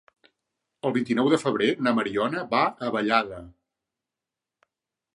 El vint-i-nou de febrer na Mariona va a Vallada.